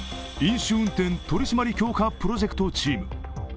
酒運転取り締まり強化プロジェクトチーム。